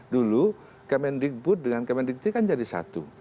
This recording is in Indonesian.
dulu kemendikbud dengan kemendikti kan jadi satu